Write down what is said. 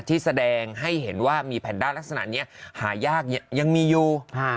ที่แสดงให้เห็นว่ามีแพนด้าลักษณะนี้หายากยังมีอยู่